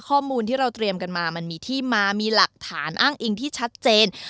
ข้อมูลที่เราเตรียมกันมามันมีที่มามีหลักฐานอ้างอิงที่ชัดเจน